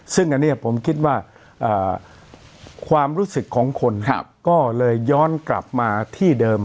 ซึ่งอันนี้ผมคิดว่าความรู้สึกของคนก็เลยย้อนกลับมาที่เดิม